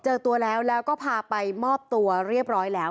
เจอตัวแล้วแล้วก็พาไปมอบตัวเรียบร้อยแล้ว